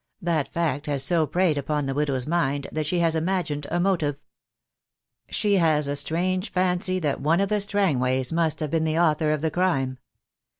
That fact has so preyed upon the widow's mind that she has imagined a motive. She has a strange fancy that one of the Strangways must have been the author of the crime.